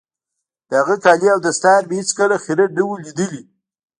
د هغه کالي او دستار مې هېڅ کله خيرن نه وو ليدلي.